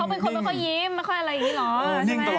เขาเป็นคนก่อนเขายิ้มไม่ค่อยอะไรอีกหรอ